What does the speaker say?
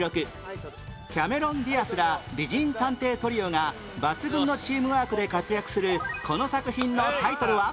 キャメロン・ディアスら美人探偵トリオが抜群のチームワークで活躍するこの作品のタイトルは？